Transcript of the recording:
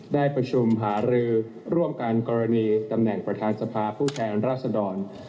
ได้ประชุมหารือร่วมกันกรณีตำแหน่งประธานสภาผู้แทนราษดร